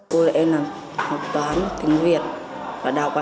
cô dạy em là học toán tiếng việt và đọc ạ